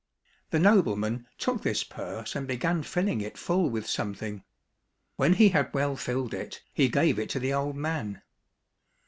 The nobleman took this purse and began filling it full with something. When he had well filled it, he gave it to the old man.